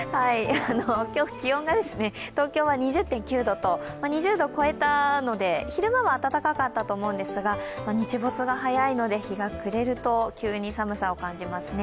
今日、気温が東京は２０．９度と２０度超えたので、昼間は暖かかったと思うんですが日没が早いので日が暮れると急に寒さを感じますね。